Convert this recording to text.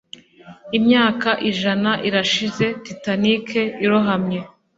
Imyaka ijana irashize Titanic irohamye